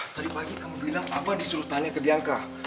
tadi pagi kamu bilang apa disuruh tanya ke bianka